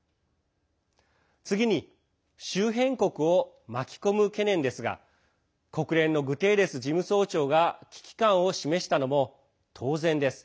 次に周辺国を巻き込む懸念ですが国連のグテーレス事務総長が危機感を表したのも当然です。